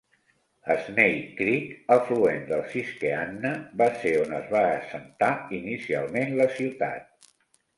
Snake Creek, afluent del Susquehanna, va ser on es va assentar inicialment la ciutat.